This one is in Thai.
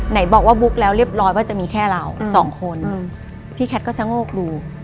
ไหนบอกว่าบุ๊กแล้วเรียบร้อยว่าจะมีแค่เราสองคนพี่แคทก็ชะโงกดู